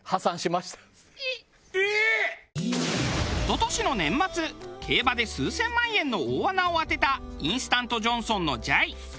一昨年の年末競馬で数千万円の大穴を当てたインスタントジョンソンのじゃい。